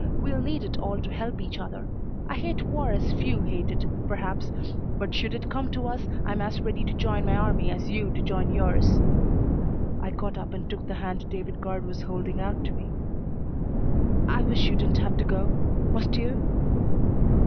We'll need it all to help each other. I hate war as few hate it, perhaps, but should it come to us I'm as ready to join my army as you to join yours." I got up and took the hand David Guard was holding out to me. "I wish you didn't have to go. Must you?"